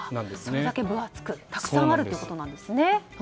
それだけ分厚くたくさんあるということですね。